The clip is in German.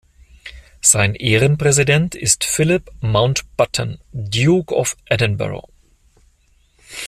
Sein Ehrenpräsident ist Philip Mountbatten, Duke of Edinburgh.